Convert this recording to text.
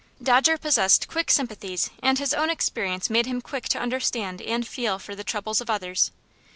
Dodger possessed quick sympathies, and his own experience made him quick to understand and feel for the troubles of others.